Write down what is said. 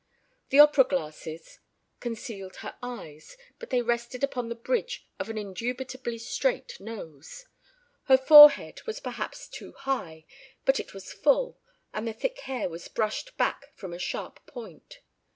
The opera glasses concealed her eyes, but they rested upon the bridge of an indubitably straight nose. Her forehead was perhaps too high, but it was full, and the thick hair was brushed back from a sharp point.